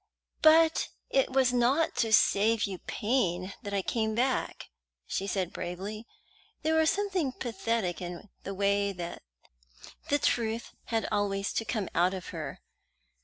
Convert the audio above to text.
"But it was not to save you pain that I came back," she said bravely. There was something pathetic in the way the truth had always to come out of her.